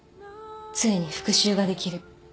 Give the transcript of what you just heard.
ついに復讐ができる